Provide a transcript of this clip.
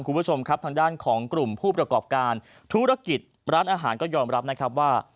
คุณผู้ชมครับทางด้านของกลุ่มผู้ประกอบการธุรกิจร้านอาหารก็ยอมรับนะครับว่า